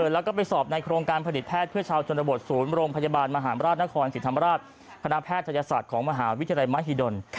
แล้วก็ไปสอบในโครงการผลิตแพทย์เพื่อชาวชนบทศูนย์โรงพยาบาลมหาราชนครศรีธรรมราชคณะแพทยศาสตร์ของมหาวิทยาลัยมหิดล